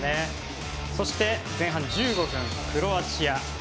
そして前半１５分クロアチア。